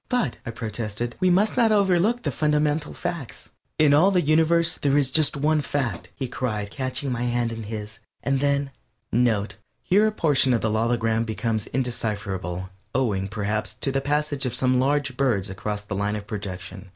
"But," I protested, "we must not overlook the fundamental facts." "In all the universe there is just one fact," he cried, catching my hand in his, and then (NOTE: _Here a portion of the logogram becomes indecipherable, owing, perhaps, to the passage of some large bird across the line of projection.